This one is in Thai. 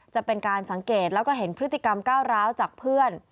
จะเป็นการสังเกตแล้วก็เห็นพฤติกรรมก้าวร้าวจากเพื่อน